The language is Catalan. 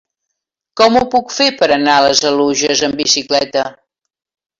Com ho puc fer per anar a les Oluges amb bicicleta?